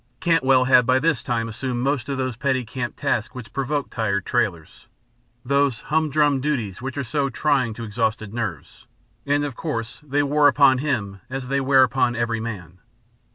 Cantwell had by this time assumed most of those petty camp tasks which provoke tired trailers, those humdrum duties which are so trying to exhausted nerves, and of course they wore upon him as they wear upon every man.